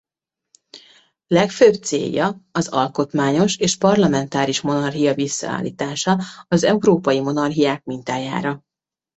Legfőbb célja az alkotmányos és parlamentáris monarchia visszaállítása az európai monarchiák mintájára.